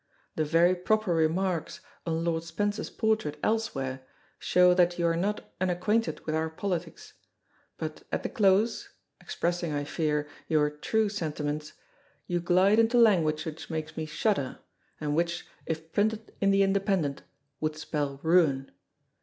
The very proper remarks on Lord Spencer's portrait elsewhere show that you are not unacquainted with our politics; but, at the close (expressing, I fear, your true sentiments), you glide into language which makes me shudder, and which, if printed in the "Independent," would spell ruin.